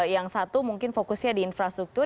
yang satu mungkin fokusnya di infrastruktur